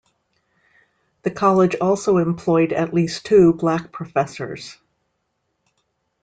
The college also employed at least two black professors.